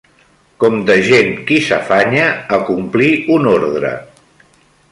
Com de gent qui s'afanya a complir un ordre.